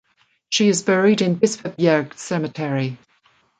She is buried in Bispebjerg Cemetery.